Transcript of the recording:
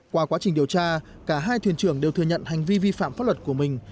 qua quá trình điều tra cả hai thuyền trưởng đều thừa nhận hành vi vi phạm pháp luật của mình